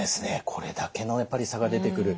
これだけのやっぱり差が出てくる。